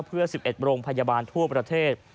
เพื่อ๑๑โรงพยาบาลทั่วประเทศ